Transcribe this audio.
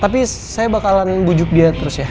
tapi saya bakalan bujuk dia terus ya